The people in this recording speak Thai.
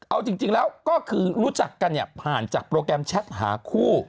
เอาจริงแล้วก็คือรู้จักกันเนี่ยผ่านจากโปรแกรมแชทหาคู่